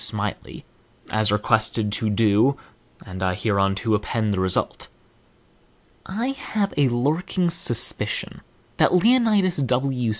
Smiley, as requested to do, and I hereunto append the result. I have a lurking suspicion that Leonidas W.